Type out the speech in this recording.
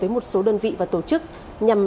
với một số đơn vị và tổ chức nhằm